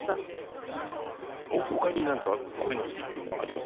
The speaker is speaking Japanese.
ほかに何かこういうの欲しいっていうのはあります？